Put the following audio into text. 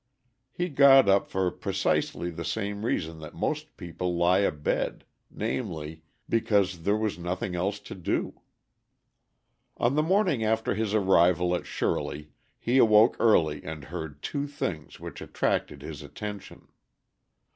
He got up for precisely the same reason that most people lie abed, namely, because there was nothing else to do. On the morning after his arrival at Shirley he awoke early and heard two things which attracted his attention.